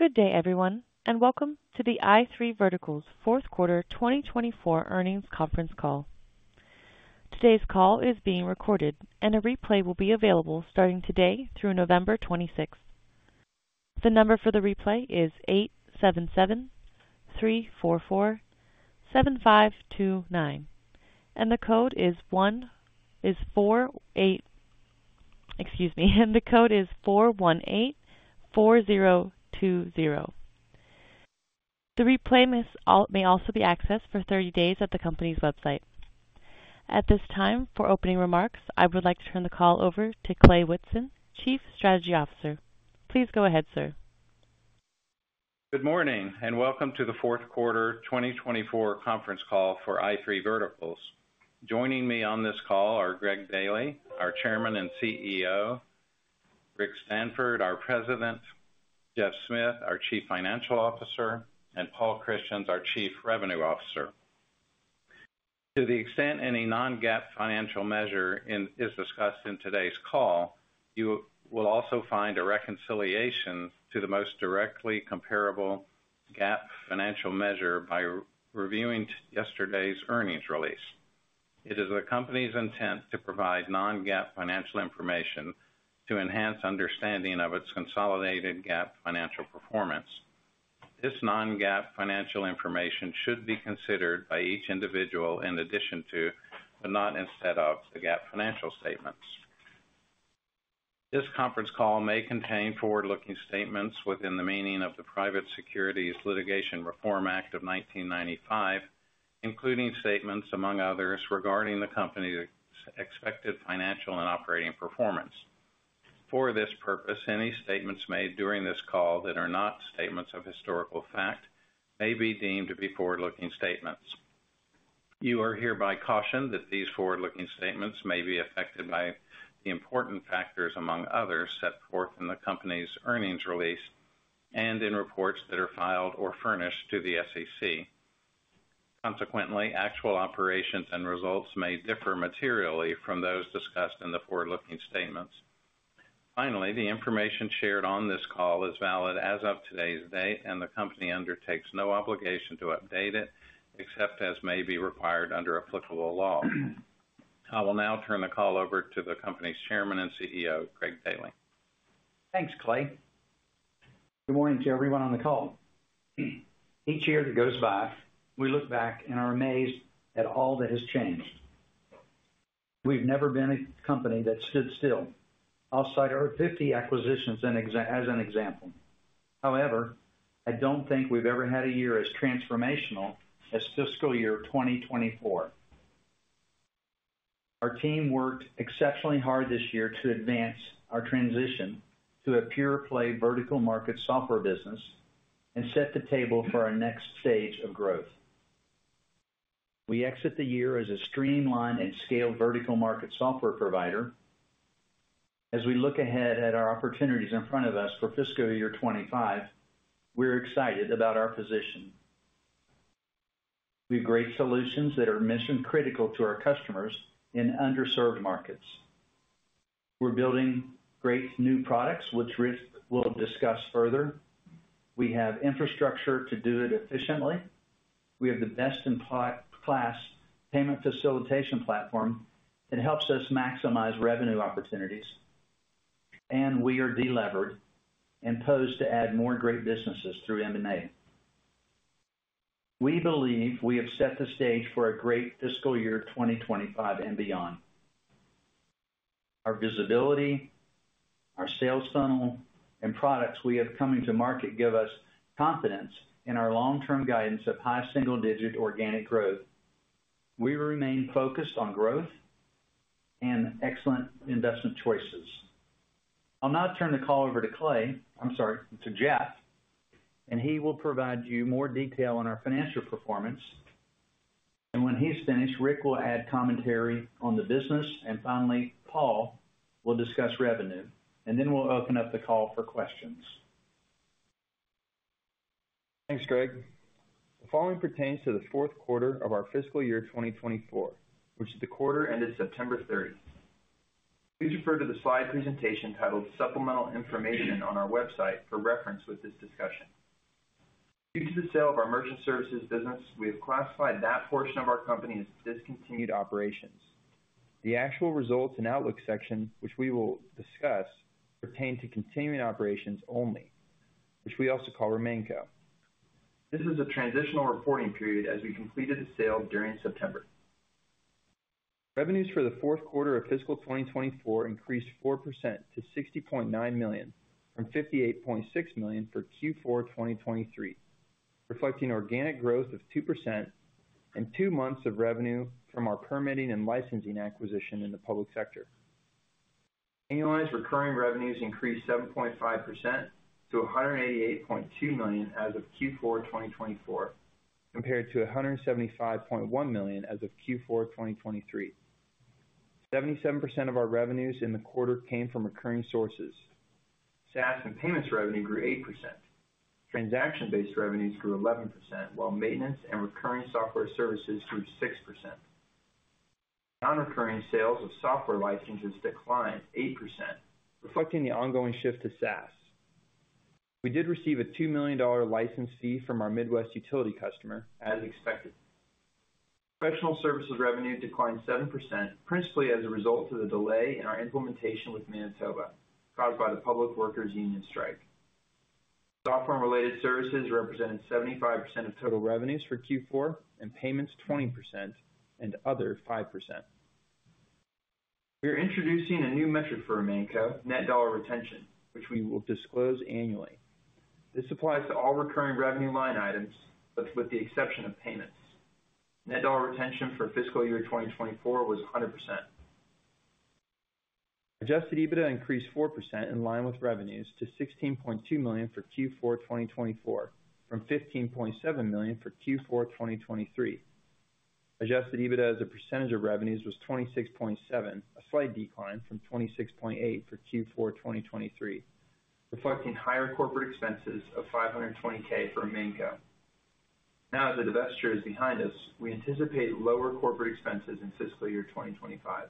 Good day, everyone, and welcome to the i3 Verticals Q4 2024 earnings conference call. Today's call is being recorded, and a replay will be available starting today through November 26th. The number for the replay is 877-344-7529, and the code is 48, excuse me, and the code is 4184020. The replay may also be accessed for 30 days at the company's website. At this time, for opening remarks, I would like to turn the call over to Clay Whitson, Chief Strategy Officer. Please go ahead, sir. Good morning, and welcome to the Q4 2024 conference call for i3 Verticals. Joining me on this call are Greg Daily, our Chairman and CEO, Rick Stanford, our President, Geoff Smith, our Chief Financial Officer, and Paul Christians, our Chief Revenue Officer. To the extent any non-GAAP financial measure is discussed in today's call, you will also find a reconciliation to the most directly comparable GAAP financial measure by reviewing yesterday's earnings release. It is the company's intent to provide non-GAAP financial information to enhance understanding of its consolidated GAAP financial performance. This non-GAAP financial information should be considered by each individual in addition to, but not instead of, the GAAP financial statements. This conference call may contain forward-looking statements within the meaning of the Private Securities Litigation Reform Act of 1995, including statements, among others, regarding the company's expected financial and operating performance. For this purpose, any statements made during this call that are not statements of historical fact may be deemed to be forward-looking statements. You are hereby cautioned that these forward-looking statements may be affected by the important factors, among others, set forth in the company's earnings release and in reports that are filed or furnished to the SEC. Consequently, actual operations and results may differ materially from those discussed in the forward-looking statements. Finally, the information shared on this call is valid as of today's date, and the company undertakes no obligation to update it except as may be required under applicable law. I will now turn the call over to the company's Chairman and CEO, Greg Daily. Thanks, Clay. Good morning to everyone on the call. Each year that goes by, we look back and are amazed at all that has changed. We've never been a company that stood still. I'll cite our 50 acquisitions as an example. However, I don't think we've ever had a year as transformational as fiscal year 2024. Our team worked exceptionally hard this year to advance our transition to a pure-play vertical market software business and set the table for our next stage of growth. We exit the year as a streamlined and scaled vertical market software provider. As we look ahead at our opportunities in front of us for fiscal year 2025, we're excited about our position. We have great solutions that are mission-critical to our customers in underserved markets. We're building great new products, which Rick will discuss further. We have infrastructure to do it efficiently. We have the best-in-class payment facilitation platform that helps us maximize revenue opportunities, and we are delevered and poised to add more great businesses through M&A. We believe we have set the stage for a great fiscal year 2025 and beyond. Our visibility, our sales funnel, and products we have coming to market give us confidence in our long-term guidance of high single-digit organic growth. We remain focused on growth and excellent investment choices. I'll now turn the call over to Clay. I'm sorry, to Geoff, and he will provide you more detail on our financial performance, and when he's finished, Rick will add commentary on the business, and finally, Paul will discuss revenue, and then we'll open up the call for questions. Thanks, Greg. The following pertains to the Q4 of our fiscal year 2024, which is the quarter ended September 30th. Please refer to the slide presentation titled "Supplemental Information" on our website for reference with this discussion. Due to the sale of our merchant services business, we have classified that portion of our company as discontinued operations. The actual results and outlook section, which we will discuss, pertain to continuing operations only, which we also call RemainCo. This is a transitional reporting period as we completed the sale during September. Revenues for the Q4 of fiscal 2024 increased 4% to $60.9 million from $58.6 million for Q4 2023, reflecting organic growth of 2% and two months of revenue from our permitting and licensing acquisition in the public sector. Annualized recurring revenues increased 7.5% to $188.2 million as of Q4 2024, compared to $175.1 million as of Q4 2023. 77% of our revenues in the quarter came from recurring sources. SaaS and payments revenue grew 8%. Transaction-based revenues grew 11%, while maintenance and recurring software services grew 6%. Non-recurring sales of software licenses declined 8%, reflecting the ongoing shift to SaaS. We did receive a $2 million license fee from our Midwest utility customer, as expected. Professional services revenue declined 7%, principally as a result of the delay in our implementation with Manitoba caused by the public workers' union strike. Software-related services represented 75% of total revenues for Q4, and payments 20%, and other 5%. We are introducing a new metric for RemainCo net dollar retention, which we will disclose annually. This applies to all recurring revenue line items, but with the exception of payments. Net dollar retention for fiscal year 2024 was 100%. Adjusted EBITDA increased 4% in line with revenues to $16.2 million for Q4 2024, from $15.7 million for Q4 2023. Adjusted EBITDA as a percentage of revenues was 26.7%, a slight decline from 26.8% for Q4 2023, reflecting higher corporate expenses of $520,000 for RemainCo. Now, as the divestiture is behind us, we anticipate lower corporate expenses in fiscal year 2025.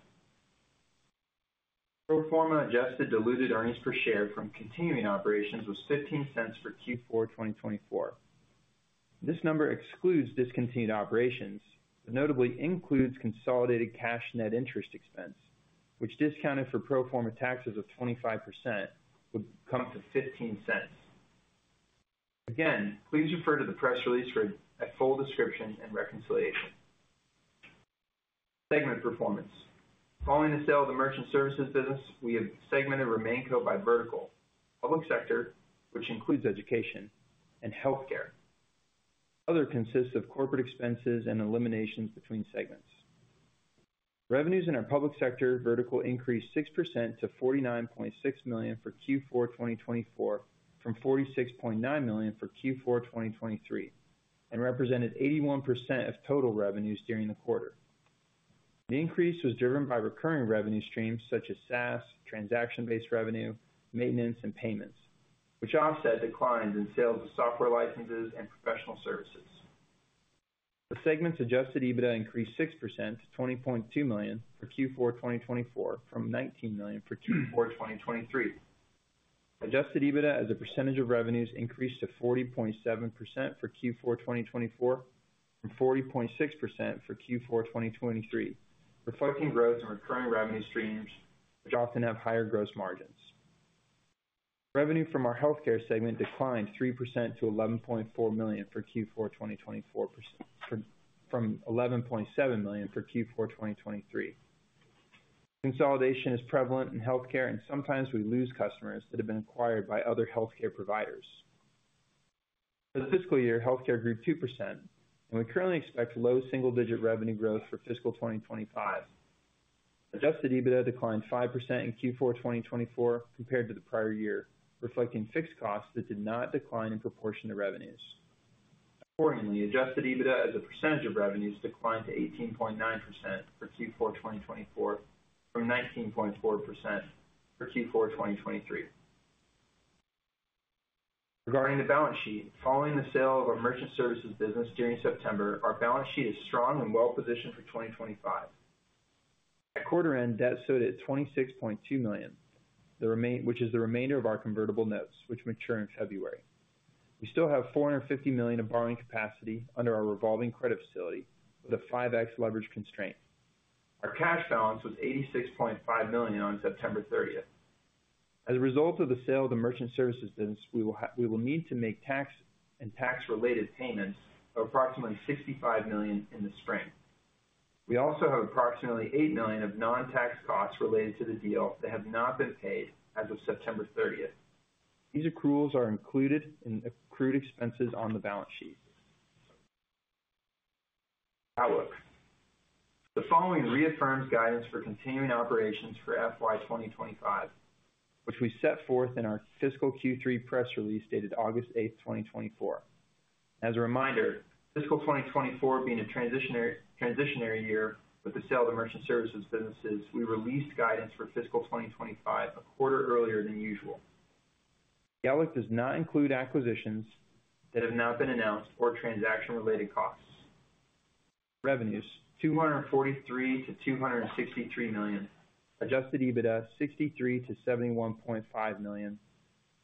Pro forma adjusted diluted earnings per share from continuing operations was $0.15 for Q4 2024. This number excludes discontinued operations, but notably includes consolidated cash net interest expense, which, discounted for pro forma taxes of 25%, would come to $0.15. Again, please refer to the press release for a full description and reconciliation. Segment performance. Following the sale of the merchant services business, we have segmented RemainCo by vertical: public sector, which includes education, and healthcare. Other consists of corporate expenses and eliminations between segments. Revenues in our public sector vertical increased 6% to $49.6 million for Q4 2024, from $46.9 million for Q4 2023, and represented 81% of total revenues during the quarter. The increase was driven by recurring revenue streams such as SaaS, transaction-based revenue, maintenance, and payments, which offset declines in sales of software licenses and professional services. The segment's Adjusted EBITDA increased 6% to $20.2 million for Q4 2024, from $19 million for Q4 2023. Adjusted EBITDA as a percentage of revenues increased to 40.7% for Q4 2024, from 40.6% for Q4 2023, reflecting growth in recurring revenue streams, which often have higher gross margins. Revenue from our healthcare segment declined 3% to $11.4 million for Q4 2024, from $11.7 million for Q4 2023. Consolidation is prevalent in healthcare, and sometimes we lose customers that have been acquired by other healthcare providers. For the fiscal year, healthcare grew 2%, and we currently expect low single-digit revenue growth for fiscal 2025. Adjusted EBITDA declined 5% in Q4 2024 compared to the prior year, reflecting fixed costs that did not decline in proportion to revenues. Accordingly, adjusted EBITDA as a percentage of revenues declined to 18.9% for Q4 2024, from 19.4% for Q4 2023. Regarding the balance sheet, following the sale of our merchant services business during September, our balance sheet is strong and well-positioned for 2025. At quarter end, debt stood at $26.2 million, which is the remainder of our convertible notes, which mature in February. We still have $450 million of borrowing capacity under our revolving credit facility with a 5X leverage constraint. Our cash balance was $86.5 million on September 30th. As a result of the sale of the merchant services business, we will need to make tax and tax-related payments of approximately $65 million in the spring. We also have approximately $8 million of non-tax costs related to the deal that have not been paid as of September 30th. These accruals are included in accrued expenses on the balance sheet. Outlook. The following reaffirms guidance for continuing operations for FY 2025, which we set forth in our fiscal Q3 press release dated August 8th, 2024. As a reminder, fiscal 2024 being a transitionary year with the sale of the merchant services businesses, we released guidance for fiscal 2025 a quarter earlier than usual. The outlook does not include acquisitions that have not been announced or transaction-related costs. Revenues: $243-$263 million. Adjusted EBITDA: $63-$71.5 million.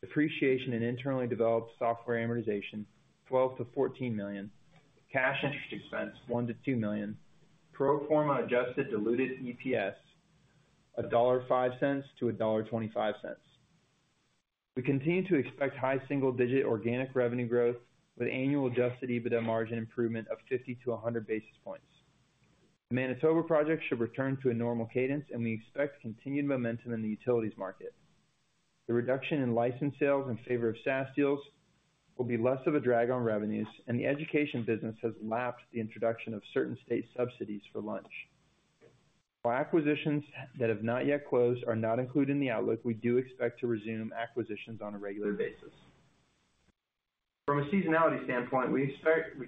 Depreciation and internally developed software amortization: $12-$14 million. Cash interest expense: $1-$2 million. Pro forma adjusted diluted EPS: $1.05-$1.25. We continue to expect high single-digit organic revenue growth with annual adjusted EBITDA margin improvement of 50-100 basis points. The Manitoba project should return to a normal cadence, and we expect continued momentum in the utilities market. The reduction in license sales in favor of SaaS deals will be less of a drag on revenues, and the education business has lapped the introduction of certain state subsidies for lunch. Acquisitions that have not yet closed are not included in the outlook. We do expect to resume acquisitions on a regular basis. From a seasonality standpoint, we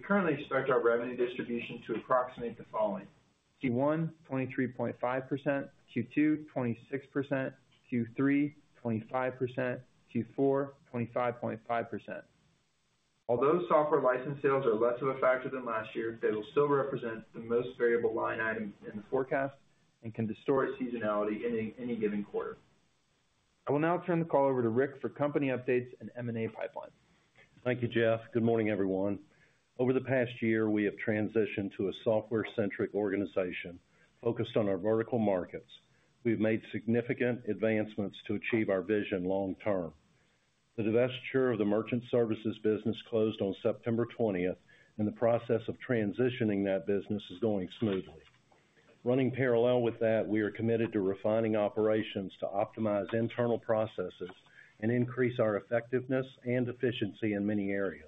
currently expect our revenue distribution to approximate the following: Q1, 23.5%; Q2, 26%; Q3, 25%; Q4, 25.5%. Although software license sales are less of a factor than last year, they will still represent the most variable line item in the forecast and can distort seasonality in any given quarter. I will now turn the call over to Rick for company updates and M&A pipeline. Thank you, Geoff. Good morning, everyone. Over the past year, we have transitioned to a software-centric organization focused on our vertical markets. We've made significant advancements to achieve our vision long term. The divestiture of the merchant services business closed on September 20th, and the process of transitioning that business is going smoothly. Running parallel with that, we are committed to refining operations to optimize internal processes and increase our effectiveness and efficiency in many areas.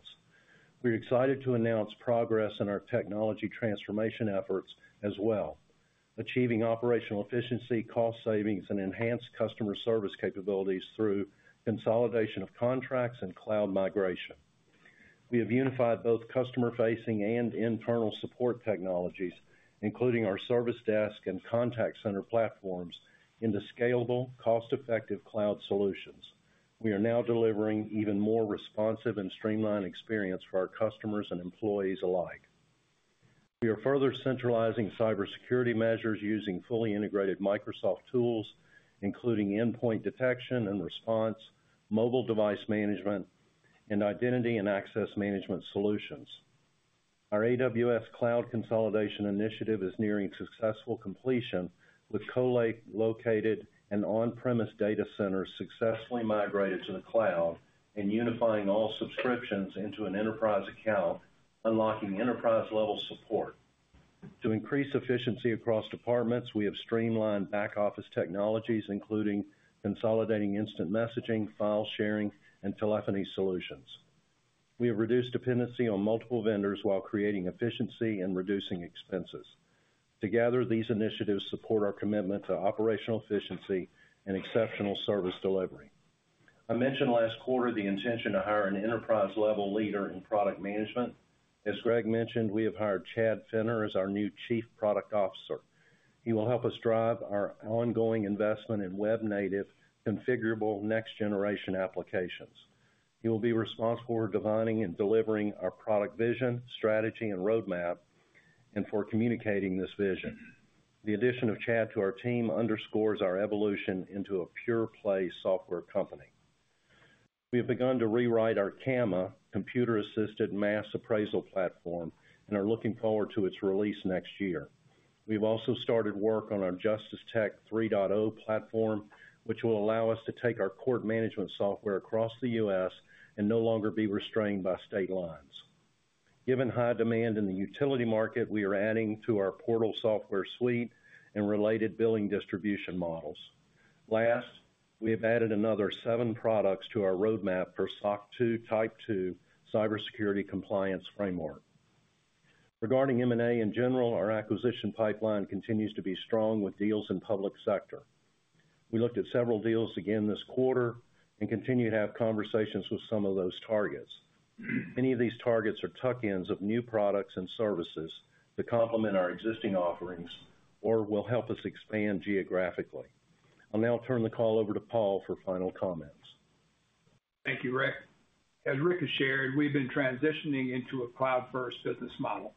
We're excited to announce progress in our technology transformation efforts as well, achieving operational efficiency, cost savings, and enhanced customer service capabilities through consolidation of contracts and cloud migration. We have unified both customer-facing and internal support technologies, including our service desk and contact center platforms, into scalable, cost-effective cloud solutions. We are now delivering even more responsive and streamlined experience for our customers and employees alike. We are further centralizing cybersecurity measures using fully integrated Microsoft tools, including endpoint detection and response, mobile device management, and identity and access management solutions. Our AWS cloud consolidation initiative is nearing successful completion, with co-located and on-premise data centers successfully migrated to the cloud and unifying all subscriptions into an enterprise account, unlocking enterprise-level support. To increase efficiency across departments, we have streamlined back-office technologies, including consolidating instant messaging, file sharing, and telephony solutions. We have reduced dependency on multiple vendors while creating efficiency and reducing expenses. Together, these initiatives support our commitment to operational efficiency and exceptional service delivery. I mentioned last quarter the intention to hire an enterprise-level leader in product management. As Greg mentioned, we have hired Chad Fenner as our new Chief Product Officer. He will help us drive our ongoing investment in web-native configurable next-generation applications. He will be responsible for defining and delivering our product vision, strategy, and roadmap, and for communicating this vision. The addition of Chad to our team underscores our evolution into a pure-play software company. We have begun to rewrite our CAMA, computer-assisted mass appraisal platform, and are looking forward to its release next year. We have also started work on our JusticeTech 3.0 platform, which will allow us to take our court management software across the U.S. and no longer be restrained by state lines. Given high demand in the utility market, we are adding to our portal software suite and related billing distribution models. Last, we have added another seven products to our roadmap for SOC 2 Type II cybersecurity compliance framework. Regarding M&A in general, our acquisition pipeline continues to be strong with deals in public sector. We looked at several deals again this quarter and continue to have conversations with some of those targets. Many of these targets are tuck-ins of new products and services to complement our existing offerings or will help us expand geographically. I'll now turn the call over to Paul for final comments. Thank you, Rick. As Rick has shared, we've been transitioning into a cloud-first business model.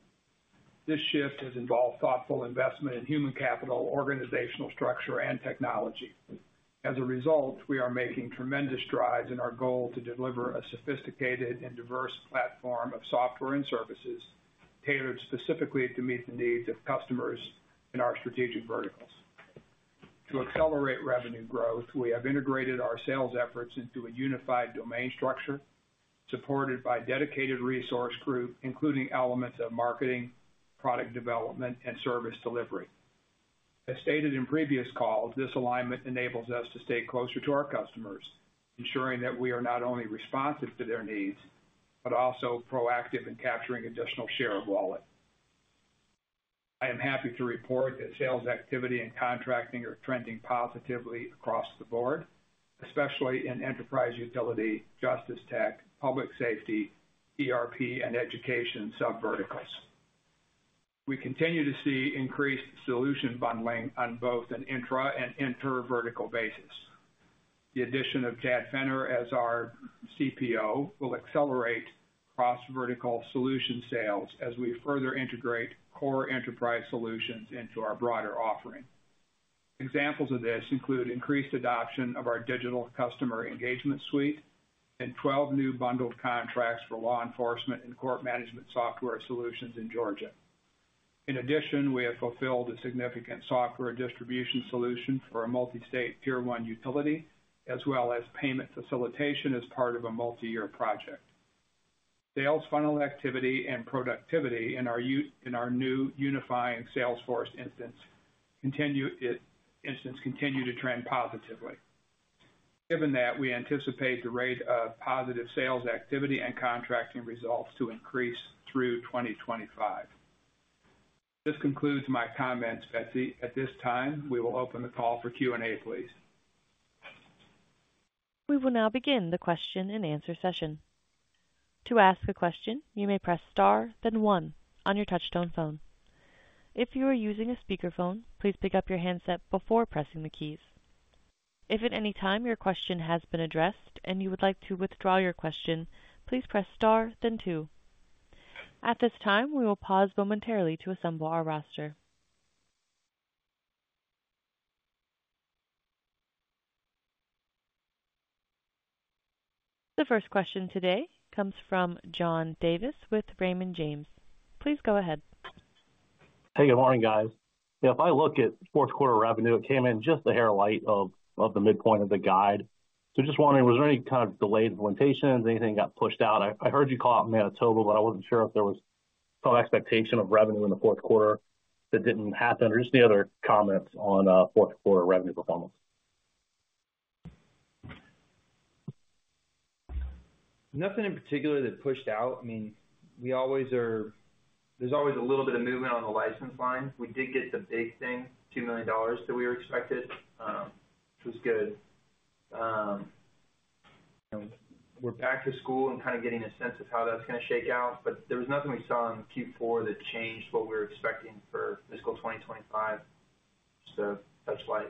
This shift has involved thoughtful investment in human capital, organizational structure, and technology. As a result, we are making tremendous strides in our goal to deliver a sophisticated and diverse platform of software and services tailored specifically to meet the needs of customers in our strategic verticals. To accelerate revenue growth, we have integrated our sales efforts into a unified domain structure supported by a dedicated resource group, including elements of marketing, product development, and service delivery. As stated in previous calls, this alignment enables us to stay closer to our customers, ensuring that we are not only responsive to their needs but also proactive in capturing additional share of wallet. I am happy to report that sales activity and contracting are trending positively across the board, especially in enterprise utility, justice tech, public safety, ERP, and education sub-verticals. We continue to see increased solution bundling on both an intra and inter-vertical basis. The addition of Chad Fenner as our CPO will accelerate cross-vertical solution sales as we further integrate core enterprise solutions into our broader offering. Examples of this include increased adoption of our digital customer engagement suite and 12 new bundled contracts for law enforcement and court management software solutions in Georgia. In addition, we have fulfilled a significant software distribution solution for a multi-state tier-one utility, as well as payment facilitation as part of a multi-year project. Sales funnel activity and productivity in our new unifying Salesforce instance continue to trend positively. Given that, we anticipate the rate of positive sales activity and contracting results to increase through 2025. This concludes my comments at this time. We will open the call for Q&A, please. We will now begin the question and answer session. To ask a question, you may press *, then one on your touch-tone phone. If you are using a speakerphone, please pick up your handset before pressing the keys. If at any time your question has been addressed and you would like to withdraw your question, please press *, then two. At this time, we will pause momentarily to assemble our roster. The first question today comes from John Davis with Raymond James. Please go ahead. Hey, good morning, guys. If I look at Q4 revenue, it came in just a hair light of the midpoint of the guide. So just wondering, was there any kind of delayed implementations? Anything got pushed out? I heard you call out Manitoba, but I wasn't sure if there was some expectation of revenue in the Q4 that didn't happen, or just the other comments on Q4 revenue performance? Nothing in particular that pushed out. I mean, we always are. There's always a little bit of movement on the license line. We did get the big thing, $2 million that we were expected, which was good. We're back to school and kind of getting a sense of how that's going to shake out, but there was nothing we saw in Q4 that changed what we were expecting for fiscal 2025, so that's why.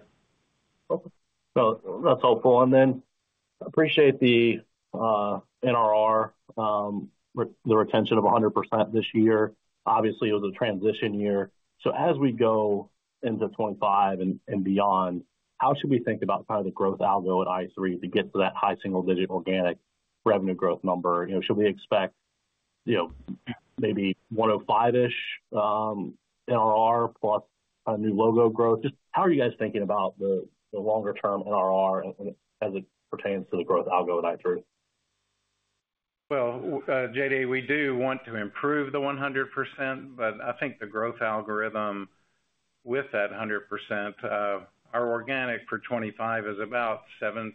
Okay, so that's helpful and then I appreciate the NRR, the retention of 100% this year. Obviously, it was a transition year, so as we go into 2025 and beyond, how should we think about kind of the growth algo at i3 to get to that high single-digit organic revenue growth number? Should we expect maybe 105-ish NRR plus a new logo growth? Just how are you guys thinking about the longer-term NRR as it pertains to the growth algo at i3? JD, we do want to improve the 100%, but I think the growth algorithm with that 100%, our organic for 2025 is about 7.5%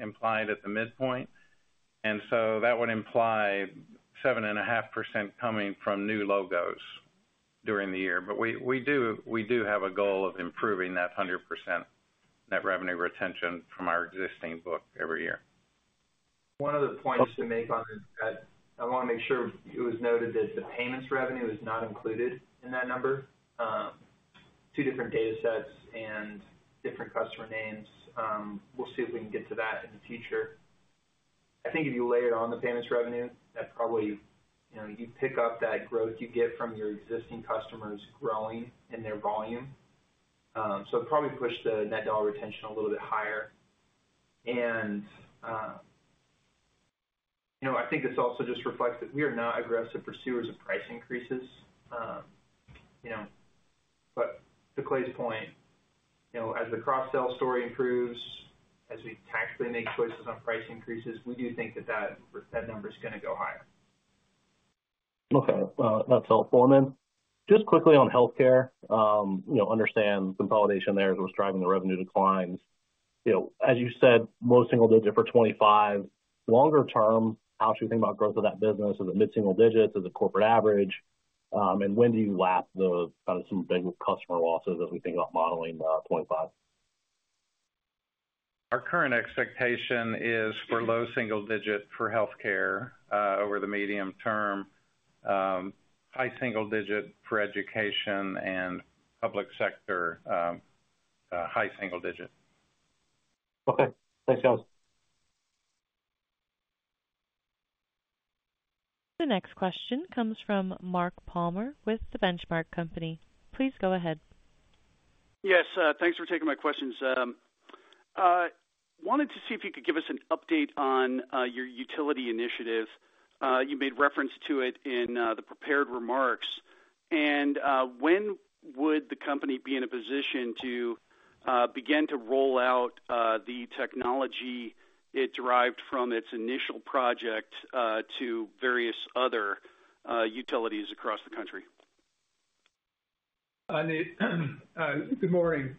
implied at the midpoint, and so that would imply 7.5% coming from new logos during the year, but we do have a goal of improving that 100% net revenue retention from our existing book every year. One other point just to make on that. I want to make sure it was noted that the payments revenue is not included in that number. Two different data sets and different customer names. We'll see if we can get to that in the future. I think if you layer on the payments revenue, that probably you pick up that growth you get from your existing customers growing in their volume. So it probably pushed the net dollar retention a little bit higher. And I think this also just reflects that we are not aggressive pursuers of price increases. But to Clay's point, as the cross-sale story improves, as we tactically make choices on price increases, we do think that that number is going to go higher. Okay. That's helpful. And then just quickly on healthcare, understand consolidation there was driving the revenue declines. As you said, low single digit for 2025. Longer term, how should we think about growth of that business? Is it mid-single digits? Is it corporate average? And when do you lap kind of some big customer losses as we think about modeling 2025? Our current expectation is for low single digit for healthcare over the medium term, high single digit for education, and public sector high single digit. Okay. Thanks, guys. The next question comes from Mark Palmer with The Benchmark Company. Please go ahead. Yes. Thanks for taking my questions. Wanted to see if you could give us an update on your utility initiative. You made reference to it in the prepared remarks. And when would the company be in a position to begin to roll out the technology it derived from its initial project to various other utilities across the country? Good morning,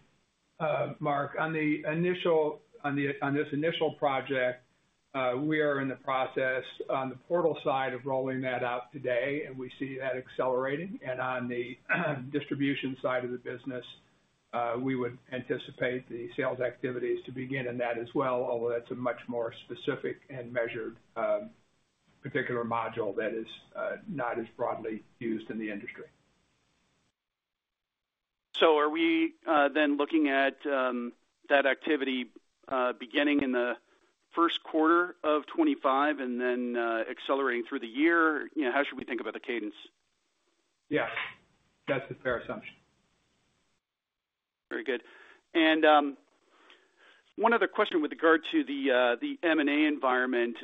Mark. On this initial project, we are in the process on the portal side of rolling that out today, and we see that accelerating, and on the distribution side of the business, we would anticipate the sales activities to begin in that as well, although that's a much more specific and measured particular module that is not as broadly used in the industry. So are we then looking at that activity beginning in the Q1 of 2025 and then accelerating through the year? How should we think about the cadence? Yes. That's the fair assumption. Very good, and one other question with regard to the M&A environment.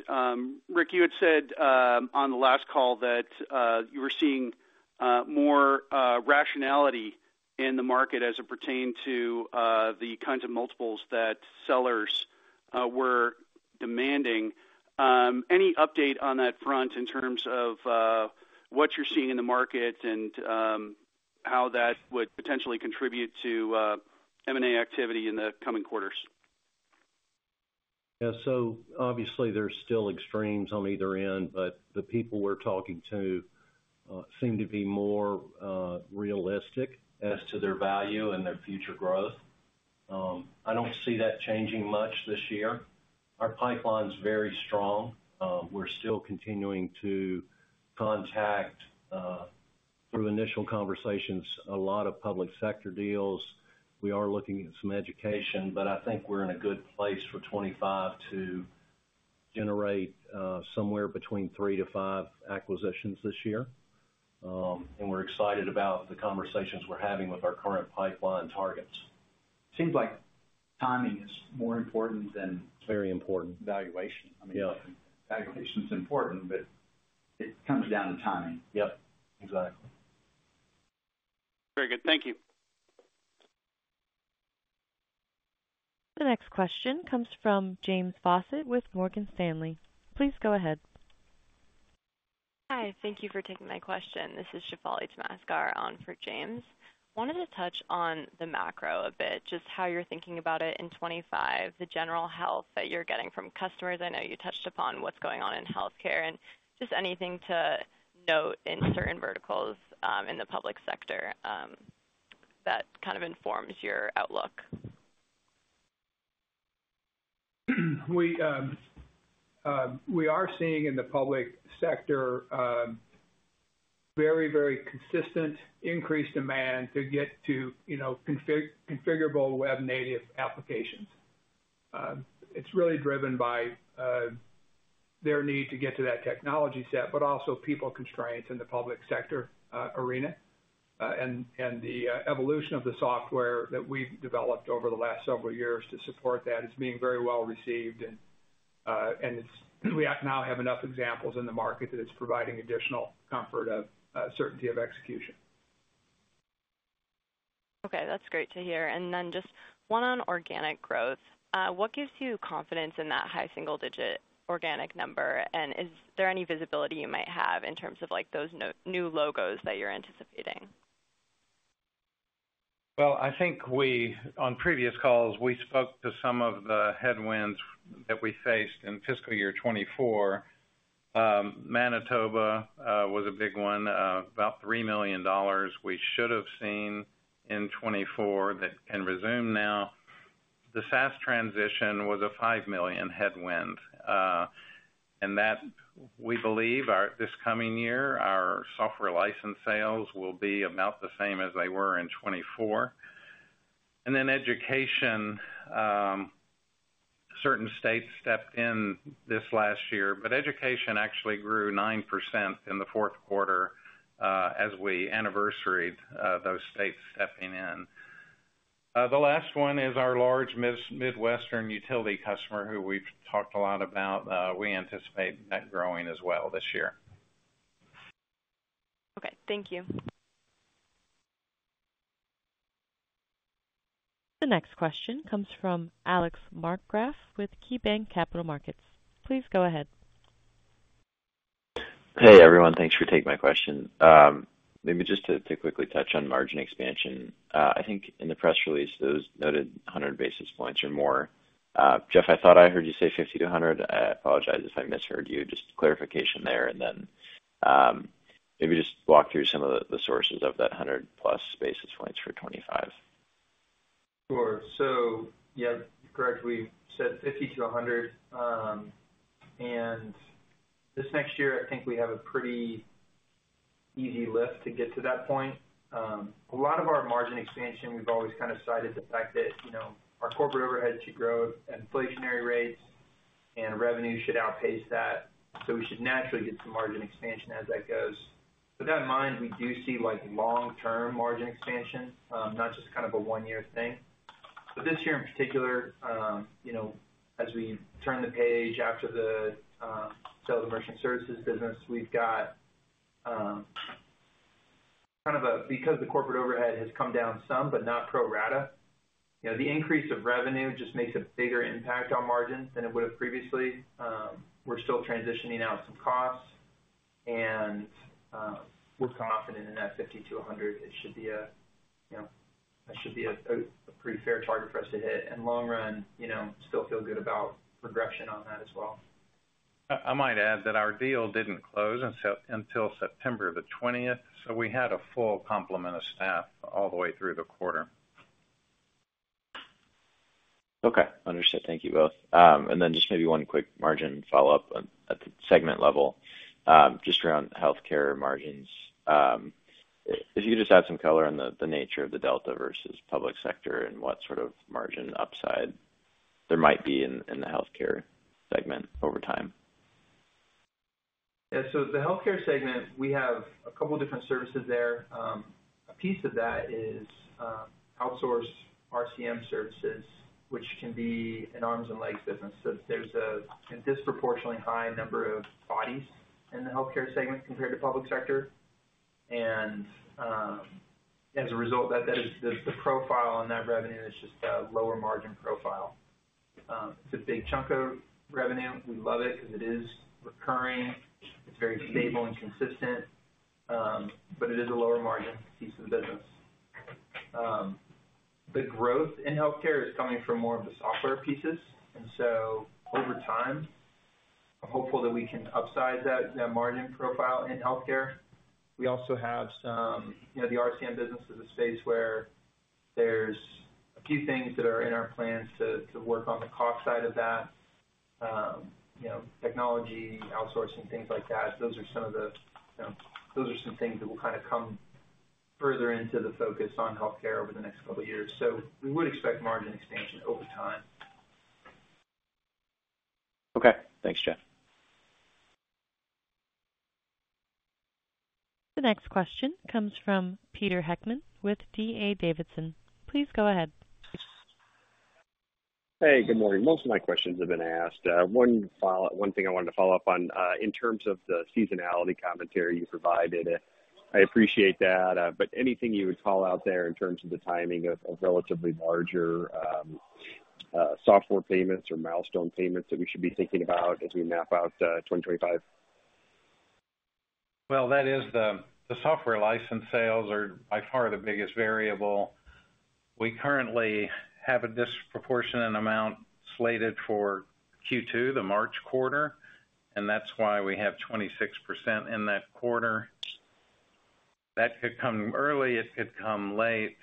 Rick, you had said on the last call that you were seeing more rationality in the market as it pertained to the kinds of multiples that sellers were demanding. Any update on that front in terms of what you're seeing in the market and how that would potentially contribute to M&A activity in the coming quarters? Yeah, so obviously, there's still extremes on either end, but the people we're talking to seem to be more realistic as to their value and their future growth. I don't see that changing much this year. Our pipeline's very strong. We're still continuing to contact, through initial conversations, a lot of public sector deals. We are looking at some education, but I think we're in a good place for 2025 to generate somewhere between three to five acquisitions this year, and we're excited about the conversations we're having with our current pipeline targets. It seems like timing is more important than... Very important. Valuation. I mean, valuation's important, but it comes down to timing. Yep. Exactly. Very good. Thank you. The next question comes from James Fawcett with Morgan Stanley. Please go ahead. Hi. Thank you for taking my question. This is Shefali Damaskar on for James. Wanted to touch on the macro a bit, just how you're thinking about it in 2025, the general health that you're getting from customers. I know you touched upon what's going on in healthcare and just anything to note in certain verticals in the public sector that kind of informs your outlook. We are seeing in the public sector very, very consistent increased demand to get to configurable web-native applications. It's really driven by their need to get to that technology set, but also people constraints in the public sector arena. And the evolution of the software that we've developed over the last several years to support that is being very well received, and we now have enough examples in the market that it's providing additional comfort of certainty of execution. Okay. That's great to hear. And then just one on organic growth. What gives you confidence in that high single-digit organic number? And is there any visibility you might have in terms of those new logos that you're anticipating? I think on previous calls, we spoke to some of the headwinds that we faced in fiscal year 2024. Manitoba was a big one, about $3 million we should have seen in 2024 that can resume now. The SaaS transition was a $5 million headwind. We believe this coming year, our software license sales will be about the same as they were in 2024. Then education, certain states stepped in this last year, but education actually grew 9% in the Q4 as we anniversaried those states stepping in. The last one is our large Midwestern utility customer who we've talked a lot about. We anticipate that growing as well this year. Okay. Thank you. The next question comes from Alex Markgraf with KeyBank Capital Markets. Please go ahead. Hey, everyone. Thanks for taking my question. Maybe just to quickly touch on margin expansion. I think in the press release, it was noted 100 basis points or more. Geoff, I thought I heard you say 50 to 100. I apologize if I misheard you. Just clarification there. And then maybe just walk through some of the sources of that 100-plus basis points for 2025. Sure. So yeah, correct. We said 50 to 100, and this next year, I think we have a pretty easy lift to get to that point. A lot of our margin expansion, we've always kind of cited the fact that our corporate overhead should grow, inflationary rates, and revenue should outpace that. So we should naturally get some margin expansion as that goes. With that in mind, we do see long-term margin expansion, not just kind of a one-year thing, but this year in particular, as we turn the page after the sales of merchant services business, we've got kind of a, because the corporate overhead has come down some, but not pro rata, the increase of revenue just makes a bigger impact on margins than it would have previously. We're still transitioning out some costs, and we're confident in that 50 to 100. It should be a pretty fair target for us to hit. And long run, still feel good about progression on that as well. I might add that our deal didn't close until September the 20th, so we had a full complement of staff all the way through the quarter. Okay. Understood. Thank you both. And then just maybe one quick margin follow-up at the segment level, just around healthcare margins. If you could just add some color on the nature of the delta versus public sector and what sort of margin upside there might be in the healthcare segment over time. Yeah. So the healthcare segment, we have a couple of different services there. A piece of that is outsourced RCM services, which can be an arms and legs business. So there's a disproportionately high number of bodies in the healthcare segment compared to public sector. And as a result, the profile on that revenue is just a lower margin profile. It's a big chunk of revenue. We love it because it is recurring. It's very stable and consistent, but it is a lower margin piece of the business. The growth in healthcare is coming from more of the software pieces. And so over time, I'm hopeful that we can upsize that margin profile in healthcare. We also have some. The RCM business is a space where there's a few things that are in our plans to work on the cost side of that: technology, outsourcing, things like that. Those are some things that will kind of come further into the focus on healthcare over the next couple of years. So we would expect margin expansion over time. Okay. Thanks, Geoff. The next question comes from Peter Heckman with D.A. Davidson. Please go ahead. Hey, good morning. Most of my questions have been asked. One thing I wanted to follow up on in terms of the seasonality commentary you provided, I appreciate that. But anything you would call out there in terms of the timing of relatively larger software payments or milestone payments that we should be thinking about as we map out 2025? That is the software license sales are by far the biggest variable. We currently have a disproportionate amount slated for Q2, the March quarter, and that's why we have 26% in that quarter. That could come early. It could come late.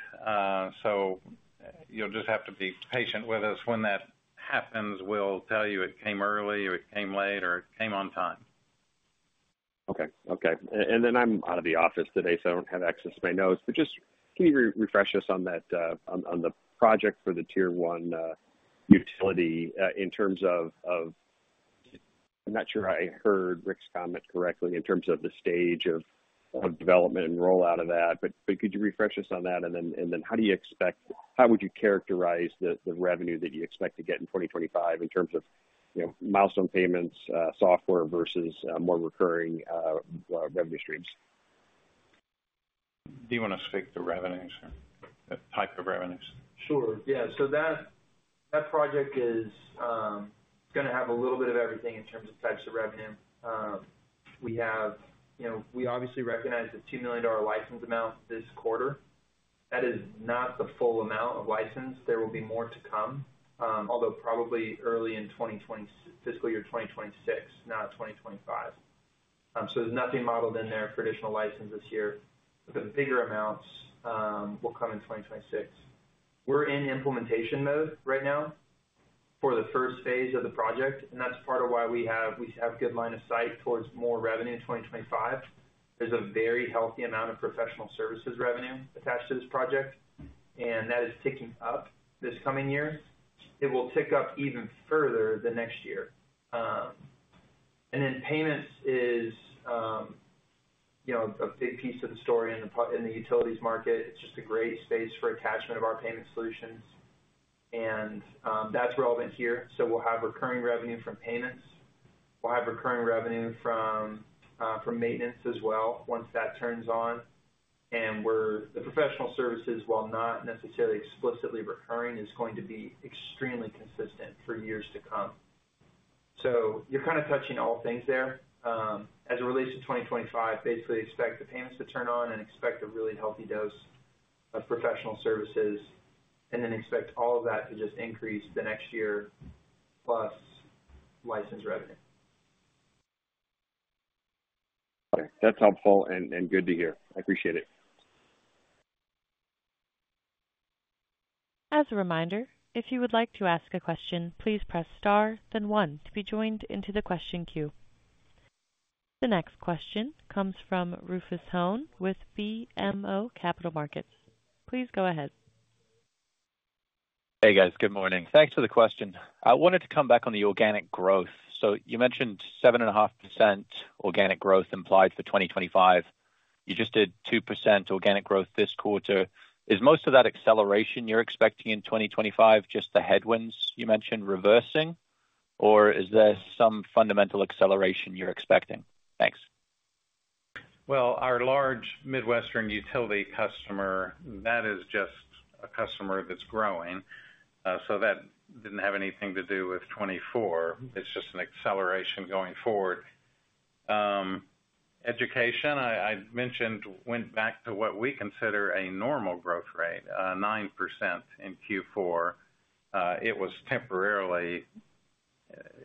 You'll just have to be patient with us. When that happens, we'll tell you it came early, or it came late, or it came on time. Okay. Okay. And then I'm out of the office today, so I don't have access to my notes. But just, can you refresh us on the project for the tier one utility in terms of, I'm not sure I heard Rick's comment correctly in terms of the stage of development and rollout of that. But could you refresh us on that? And then how do you expect, how would you characterize the revenue that you expect to get in 2025 in terms of milestone payments, software versus more recurring revenue streams? Do you want to speak to revenues, or type of revenues? Sure. Yeah. So that project is going to have a little bit of everything in terms of types of revenue. We obviously recognize the $2 million license amount this quarter. That is not the full amount of license. There will be more to come, although probably early in fiscal year 2026, not 2025. So there's nothing modeled in there for additional licenses here. The bigger amounts will come in 2026. We're in implementation mode right now for the first phase of the project. And that's part of why we have a good line of sight towards more revenue in 2025. There's a very healthy amount of professional services revenue attached to this project, and that is ticking up this coming year. It will tick up even further the next year. And then payments is a big piece of the story in the utilities market. It's just a great space for attachment of our payment solutions, and that's relevant here, so we'll have recurring revenue from payments. We'll have recurring revenue from maintenance as well once that turns on, and the professional services, while not necessarily explicitly recurring, are going to be extremely consistent for years to come, so you're kind of touching all things there. As it relates to 2025, basically expect the payments to turn on and expect a really healthy dose of professional services, and then expect all of that to just increase the next year plus license revenue. Okay. That's helpful and good to hear. I appreciate it. As a reminder, if you would like to ask a question, please press *, then one to be joined into the question queue. The next question comes from Rufus Hone with BMO Capital Markets. Please go ahead. Hey, guys. Good morning. Thanks for the question. I wanted to come back on the organic growth. So you mentioned 7.5% organic growth implied for 2025. You just did 2% organic growth this quarter. Is most of that acceleration you're expecting in 2025 just the headwinds you mentioned reversing, or is there some fundamental acceleration you're expecting? Thanks. Our large Midwestern utility customer, that is just a customer that's growing. So that didn't have anything to do with 2024. It's just an acceleration going forward. Education, I mentioned, went back to what we consider a normal growth rate, 9% in Q4.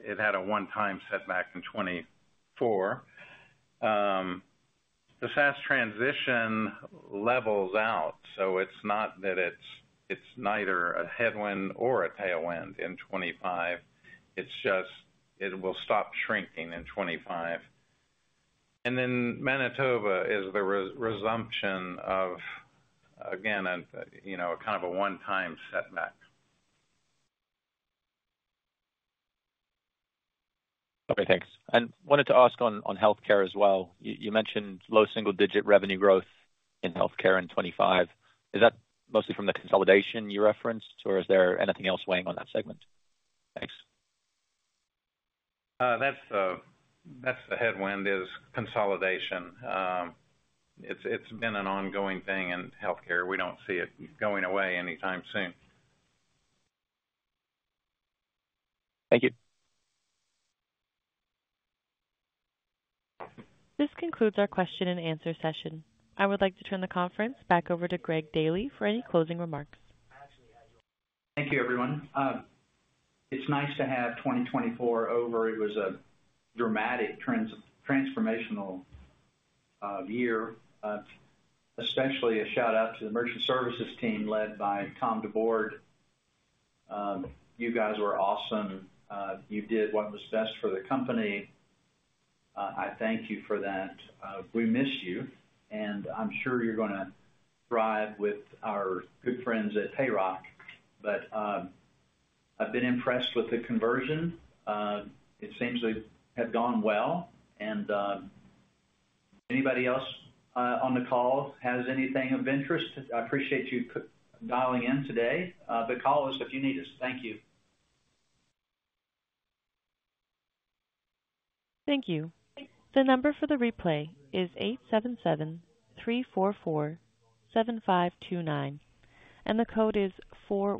It had a one-time setback in 2024. The SaaS transition levels out. So it's not that it's neither a headwind or a tailwind in 2025. It's just it will stop shrinking in 2025. And then Manitoba is the resumption of, again, kind of a one-time setback. Okay. Thanks. And wanted to ask on healthcare as well. You mentioned low single-digit revenue growth in healthcare in 2025. Is that mostly from the consolidation you referenced, or is there anything else weighing on that segment? Thanks. That's the headwind is consolidation. It's been an ongoing thing in healthcare. We don't see it going away anytime soon. Thank you. This concludes our question and answer session. I would like to turn the conference back over to Greg Daily for any closing remarks. Thank you, everyone. It's nice to have 2024 over. It was a dramatic transformational year, especially a shout-out to the merchant services team led by Tom DeBord. You guys were awesome. You did what was best for the company. I thank you for that. We miss you, and I'm sure you're going to thrive with our good friends at Payroc, but I've been impressed with the conversion. It seems they have gone well, and anybody else on the call has anything of interest? I appreciate you dialing in today. The call is if you need us. Thank you. Thank you. The number for the replay is 877-344-7529, and the code is 4.